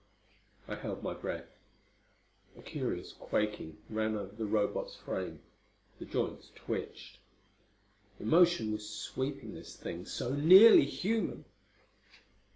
I held my breath. A curious quaking ran over the Robot's frame. The joints twitched. Emotion was sweeping this thing so nearly human!